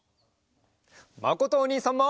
まことおにいさんも。